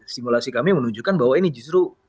simulasi kami menunjukkan bahwa ini justru